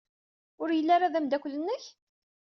Ur yelli ara d ameddakel-nnek?